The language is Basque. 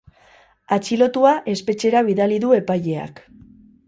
Atxilotua espetxera bidali du epaileak.